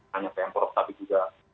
hanya pemprov tapi juga